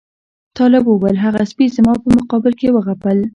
طالب وویل هغه سپي زما په مقابل کې وغپل.